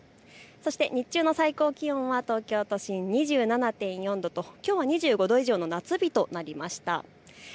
日中の最高気温は東京都心２７．４度ときょうは２５度以上の夏日となりました。